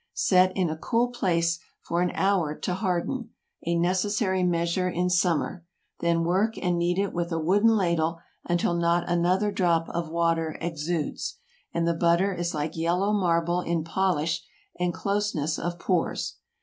Set in a cool place for an hour to harden—a necessary measure in summer—then work and knead it with a wooden ladle until not another drop of water exudes, and the butter is like yellow marble in polish and closeness of pores.